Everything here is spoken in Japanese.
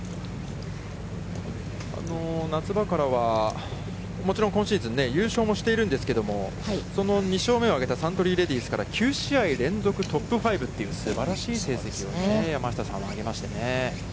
夏場からは、もちろん今シーズン、優勝もしているんですけれども、その２勝目を挙げたサントリーレディスから、９試合連続トップ５というすばらしい成績を山下さんは挙げましてね。